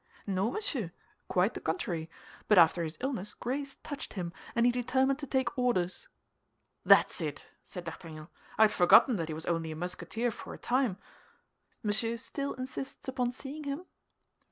"No, monsieur, quite the contrary; but after his illness grace touched him, and he determined to take orders." "That's it!" said D'Artagnan, "I had forgotten that he was only a Musketeer for a time." "Monsieur still insists upon seeing him?"